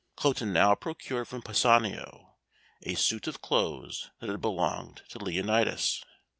Cloten now procured from Pisanio a suit of clothes that had belonged to Leonatus.